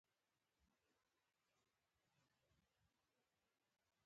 دا هر څه یو تصادف او یوه پېښه وه، چې په ما راغله.